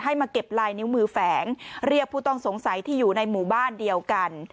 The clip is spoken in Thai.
มาเก็บลายนิ้วมือแฝงเรียกผู้ต้องสงสัยที่อยู่ในหมู่บ้านเดียวกัน